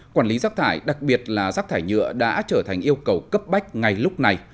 quản lý rác thải đặc biệt là rác thải nhựa đã trở thành yêu cầu cấp bách ngay lúc này